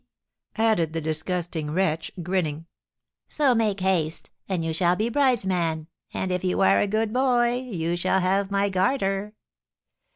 added the disgusting wretch, grinning. "So make haste, and you shall be bridesman, and, if you are a good boy, you shall have my garter."